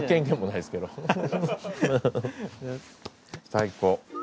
最高。